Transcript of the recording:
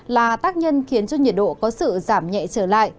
là tác nhân khiến cho nhiệt độ có sự giảm nhẹ trở lại